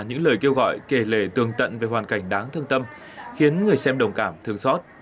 những lời kêu gọi kể lệ tường tận về hoàn cảnh đáng thương tâm khiến người xem đồng cảm thương xót